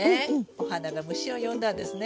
お花が虫を呼んだんですね。